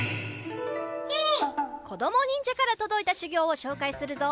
こどもにんじゃからとどいたしゅぎょうをしょうかいするぞ！